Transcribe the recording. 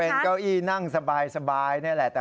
เป็นเก้าอี้นั่งสบายนี่แหละ